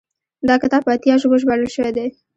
دا کتاب په اتیا ژبو ژباړل شوی دی.